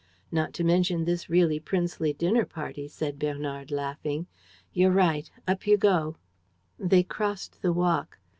..." "Not to mention this really princely dinner party," said Bernard, laughing. "You're right. Up you go." They crossed the walk.